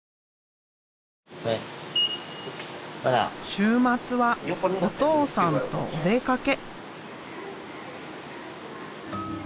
週末はお父さんとお出かけ。